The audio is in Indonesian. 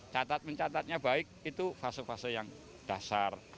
catat mencatatnya baik itu fase fase yang dasar